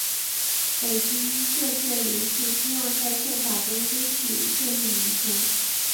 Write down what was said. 北京各界人士希望在宪法中争取确立民权。